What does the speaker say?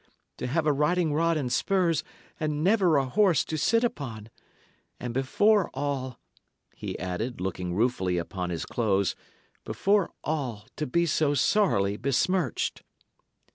To have a riding rod and spurs, and never a horse to sit upon! And before all," he added, looking ruefully upon his clothes "before all, to be so sorrily besmirched!"